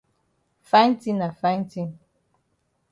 Fine tin na fine tin.